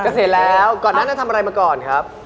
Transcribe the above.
เกษียณแล้วก่อนนั้นทำอะไรมาก่อนครับ